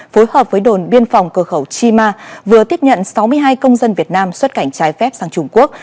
phối hợp với đồn biên phòng cửa khẩu chi ma vừa tiếp nhận sáu mươi hai công dân việt nam xuất cảnh trái phép sang trung quốc